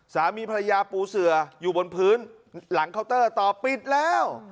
สามีภรรยาปูเสืออยู่บนพื้นหลังเคาน์เตอร์ต่อปิดแล้ว